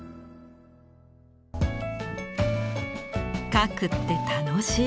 「描くって楽しい！」。